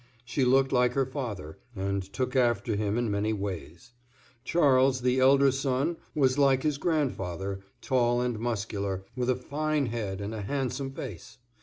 She looked like her father, and took after him in many ways. Charles, the elder son, was like his grandfather, tall and muscular, with a fine head and a handsome face.